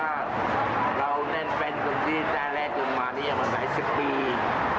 ยากน่ะเพราะว่าเราแน่นแฟนตรงนี้ตั้งแต่แรกจนมานี้อย่างกันหลายสิบปี